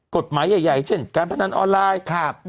กฎหมายใหญ่เช่นการพนันออนไลน์